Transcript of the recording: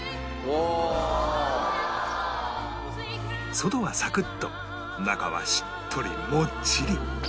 外はサクッと中はしっとりもっちり